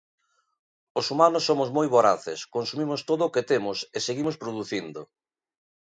Os humanos somos moi voraces: consumimos todo o que temos e seguimos producindo.